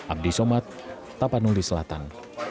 abdi somad tapanuli selatan